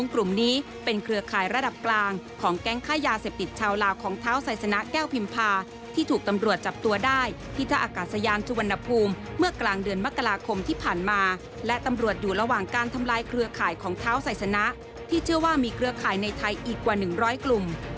กลุ่มนี้เป็นเครือข่ายระดับกลางของแก๊งค่ายาเสพติดชาวลาวของเท้าไซสนะแก้วพิมพาที่ถูกตำรวจจับตัวได้ที่ท่าอากาศยานสุวรรณภูมิเมื่อกลางเดือนมกราคมที่ผ่านมาและตำรวจอยู่ระหว่างการทำลายเครือข่ายของเท้าไซสนะที่เชื่อว่ามีเครือข่ายในไทยอีกกว่า๑๐๐กลุ่ม